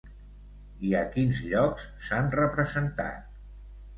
I a quins llocs s'han representat?